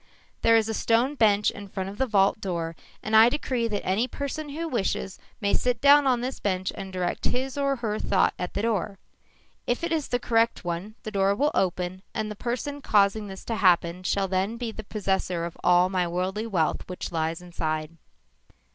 _ "_There is a stone bench in front of the vault door and I decree that any person who wishes, may sit down on this bench and direct his or her thought at the door. If it is the correct one, the door will open and the person causing this to happen shall then be the possessor of all my worldly wealth which lies inside.